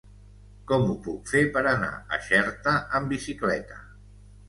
Com ho puc fer per anar a Xerta amb bicicleta?